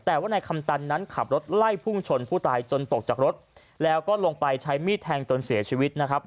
แต่ว่านายคำตันนั้นขับรถไล่พุ่งชนผู้ตายจนตกจากรถแล้วก็ลงไปใช้มีดแทงจนเสียชีวิตนะครับ